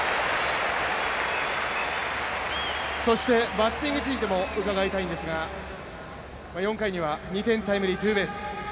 バッティングについても伺いたいんですが４回には２点タイムリーツーベース。